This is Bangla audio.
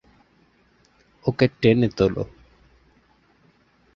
ওকে টেনে তোলো।